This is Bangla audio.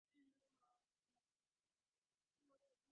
মেয়ে কিছুতেই কবুল বলল না।